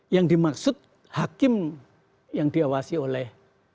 yang dimaksud hakim yang diawasi oleh